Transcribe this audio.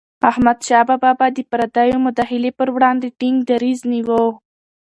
احمدشاه بابا به د پردیو مداخلي پر وړاندې ټينګ دریځ نیوه.